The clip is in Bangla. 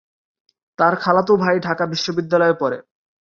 তার খালাতো ভাই ঢাকা বিশ্ববিদ্যালয়ে পড়ে।